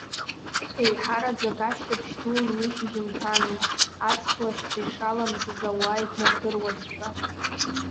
Еиҳараӡак ашьҭыбжь дуун уи шьыжьымҭанла, аҵх лашьца ишаламӡыз ауаа иднардыруазшәа.